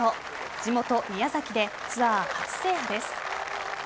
地元・宮崎でツアー初制覇です。